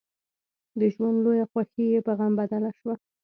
د ژوند لويه خوښي يې په غم بدله شوه.